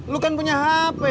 lu kan punya hp